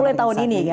mulai tahun ini ya